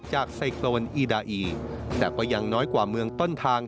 ไซโซนอีดาอีแต่ก็ยังน้อยกว่าเมืองต้นทาง